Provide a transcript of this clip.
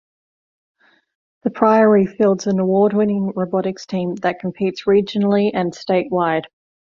The Priory fields an award-winning robotics team that competes regionally and statewide.